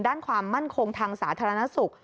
ด้านความมั่นคงทางสาธารณสุข